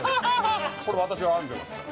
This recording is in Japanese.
これ私が編んでますから。